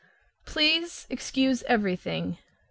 Please excuse everything.